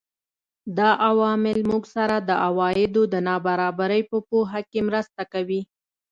دا عوامل موږ سره د عوایدو د نابرابرۍ په پوهه کې مرسته کوي